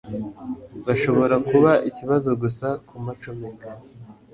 Birashobora kuba ikibazo gusa kumacomeka.